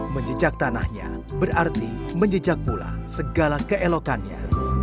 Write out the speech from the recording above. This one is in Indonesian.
menjejak tanahnya berarti menjejak pula segala keelokannya